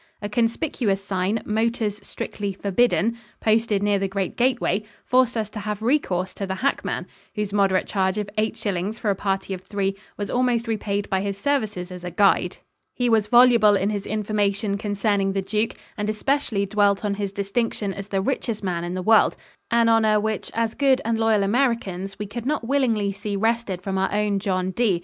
A conspicuous sign, "Motors strictly forbidden," posted near the great gateway, forced us to have recourse to the hackman, whose moderate charge of eight shillings for a party of three was almost repaid by his services as a guide. He was voluble in his information concerning the Duke and especially dwelt on his distinction as the richest man in the world an honor which as good and loyal Americans we could not willingly see wrested from our own John D.